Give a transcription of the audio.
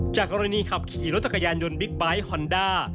กรณีขับขี่รถจักรยานยนต์บิ๊กไบท์ฮอนด้า